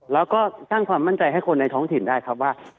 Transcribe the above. แล้วก็สร้างความมั่นใจให้คนในท้องถิ่นได้ครับว่า